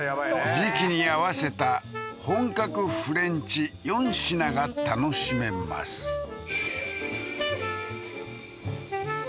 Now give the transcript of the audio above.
時期に合わせた本格フレンチ４品が楽しめますあるよ